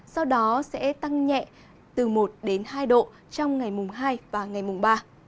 sau đó sẽ tăng nhẹ từ một đến hai độ trong ngày mùng hai và ngày mùng ba